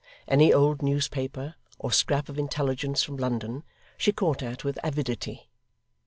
Any old newspaper, or scrap of intelligence from London, she caught at with avidity.